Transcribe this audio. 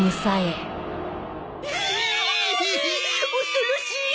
恐ろしい！